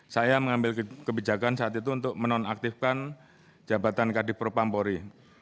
saya mengambil kebijakan saat itu untuk menonaktifkan jabatan kardif propam pori